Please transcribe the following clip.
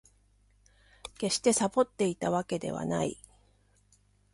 決してサボっていたわけではない